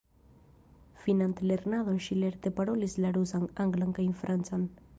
Finante lernadon ŝi lerte parolis la rusan, anglan kaj francan.